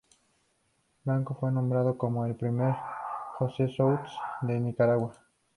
Blanco fue nombrado como el ""Primer Jefe Scouts"" de Nicaragua.